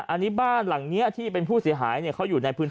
อันนี้บ้านหลังนี้ที่เป็นผู้เสียหายเขาอยู่ในพื้นที่